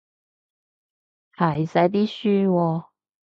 齊晒啲書喎